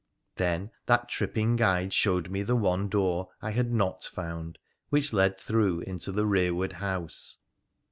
Then that tripping guide showed me the one door I had not found, which led through into the rearward house.